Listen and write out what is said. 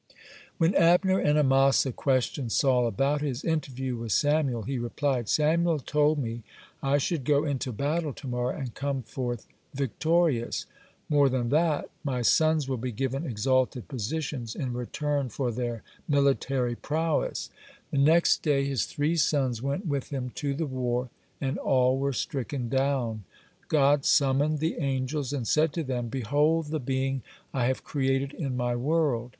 When Abner and Amasa questioned Saul about his interview with Samuel, he replied: "Samuel told me I should go into battle to morrow, and come forth victorious. More than that, my sons will be given exalted positions in return for their military prowess." The next day his three sons went with him to the war, and all were stricken down. God summoned the angels and said to them: "Behold the being I have created in my world.